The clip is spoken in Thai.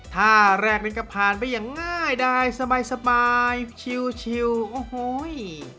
ท่าแรกนั้นก็ผ่านไปอย่างง่ายดายสบายชิวโอ้โห